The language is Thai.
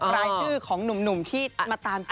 รายชื่อของหนุ่มที่มาตามฟื้นยาย่า